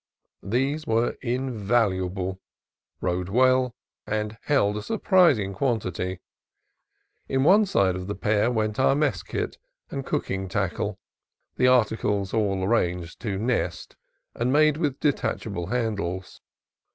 These were invaluable, rode well, and held a sur prising quantity. In one side of one pair went our mess kit and cooking tackle, the articles all arranged to "nest," and made with detachable handles.